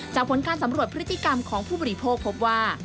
ผลการสำรวจพฤติกรรมของผู้บริโภคพบว่า